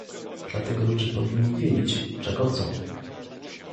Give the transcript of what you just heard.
Dlatego ludzie powinni wiedzieć, czego chcą